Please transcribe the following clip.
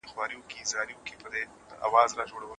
هر څوک د خپل ژوند د انتخاب حق لري.